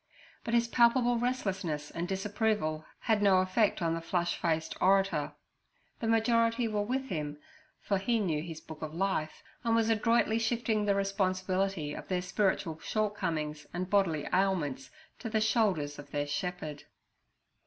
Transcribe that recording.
But his palpable restlessness and disapproval had no effect upon the flush faced orator. The majority were with him, for he knew his book of life, and was adroitly shifting the responsibility of their spiritual shortcomings and bodily ailments to the shoulders of their shepherd.